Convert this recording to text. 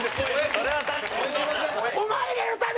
それは確かに。